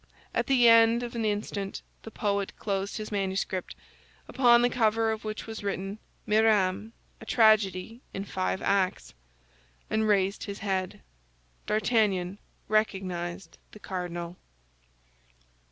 At the end of an instant the poet closed his manuscript, upon the cover of which was written "Mirame, a Tragedy in Five Acts," and raised his head. D'Artagnan recognized the cardinal.